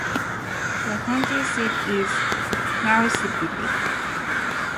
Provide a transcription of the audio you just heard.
The county seat is Marysville.